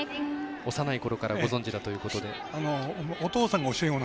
幼いころからご存じということで。